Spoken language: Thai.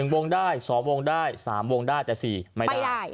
วงได้๒วงได้๓วงได้แต่๔ไม่ได้